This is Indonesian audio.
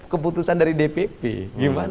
keputusan dari dpp gimana